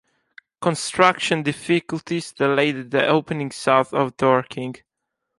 Construction difficulties delayed the opening south of Dorking.